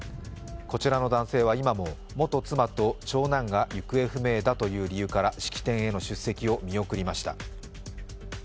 こちらの男性は今も元妻と長男が行方不明だという理由から式典への出席を見送りました。